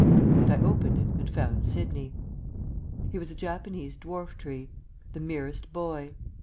And I opened it and found Sidney. He was a Japanese dwarf tree the merest boy.